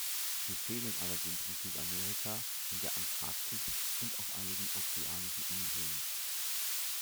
Sie fehlen allerdings in Südamerika, in der Antarktis und auf einigen ozeanischen Inseln.